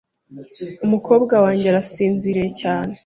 Umukobwa wanjye arasinziriye cyane. .